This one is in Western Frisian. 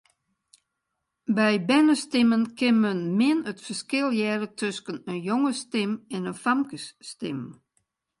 By bernestimmen kin men min it ferskil hearre tusken in jongesstim en in famkesstim.